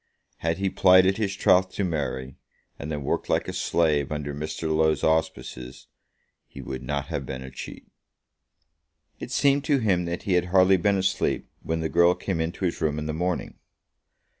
Had he plighted his troth to Mary, and then worked like a slave under Mr. Low's auspices, he would not have been a cheat. It seemed to him that he had hardly been asleep when the girl came into his room in the morning.